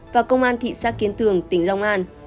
và công an thị xã kiến tường tỉnh long an